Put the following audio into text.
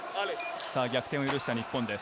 逆転を許した日本です。